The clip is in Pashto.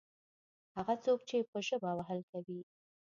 هغه څوک چې په ژبه وهل کوي.